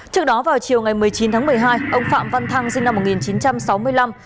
trước đó vào chiều ngày một mươi chín tháng một mươi hai ông phạm văn thăng sinh năm một nghìn chín trăm sáu mươi năm